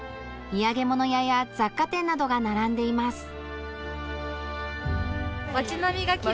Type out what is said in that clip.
土産物屋や雑貨店などが並んでいます。